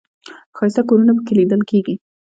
ښایسته کورونه په کې لیدل کېږي.